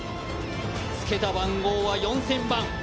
つけた番号は４０００番。